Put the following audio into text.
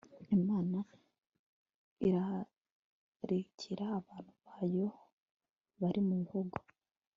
Imana irararikira abantu bayo bari mu bihugu